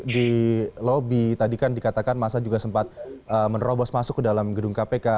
di lobi tadi kan dikatakan masa juga sempat menerobos masuk ke dalam gedung kpk